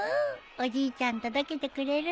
おじいちゃん届けてくれるって。